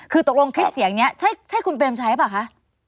คือตกลงคลิปเสียงนี้ใช่คุณเปรมชัยหรือเปล่าคะ